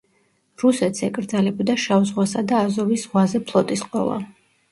რუსეთს ეკრძალებოდა შავ ზღვასა და აზოვის ზღვაზე ფლოტის ყოლა.